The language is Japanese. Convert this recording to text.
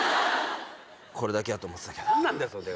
これだけはと思ってたけど。